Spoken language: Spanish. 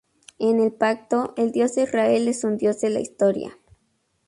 En el pacto, el Dios de Israel es un Dios de la historia.